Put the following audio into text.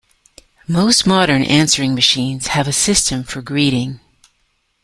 Most modern answering machines have a system for greeting.